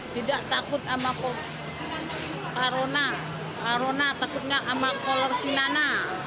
tidak takut sama corona takut gak sama kolor sinana